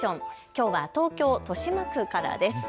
きょうは東京豊島区からです。